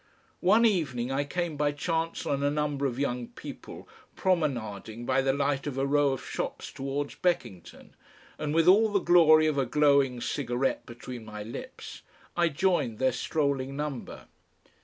One evening I came by chance on a number of young people promenading by the light of a row of shops towards Beckington, and, with all the glory of a glowing cigarette between my lips, I joined their strolling number.